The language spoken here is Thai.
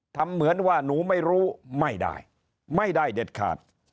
ทำเหมือนว่าหนูไม่รู้ไม่ได้ไม่ได้เด็ดขาด